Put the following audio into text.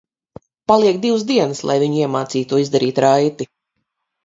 Paliek divas dienas, lai viņu iemācītu to izdarīt raiti.